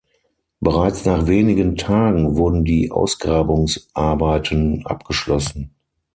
Bereits nach wenigen Tagen wurden die Ausgrabungsarbeiten abgeschlossen.